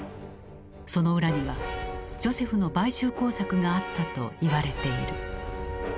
その裏にはジョセフの買収工作があったと言われている。